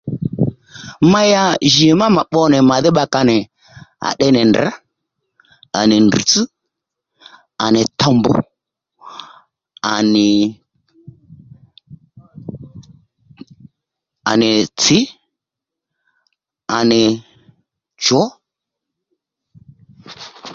Mèya jì má mà pbo nì màdhí bbakǎ nì à tde nì ndrr̀, à nì ndrr̀tsś, à nì towmbù, à nì à nì tsǐ, à nì chǒ